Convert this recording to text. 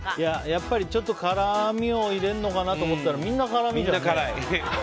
やっぱりちょっと辛みを入れるのかなと思ったらみんな辛みじゃん。